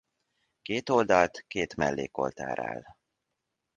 Kétoldalt két mellékoltár áll.